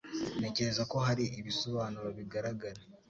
Ntekereza ko hari ibisobanuro bigaragara.